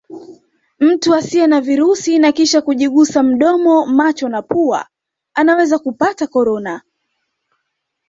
Mtu asiye na virusi na kisha kujigusa mdomo macho na pua anaweza kupata Corona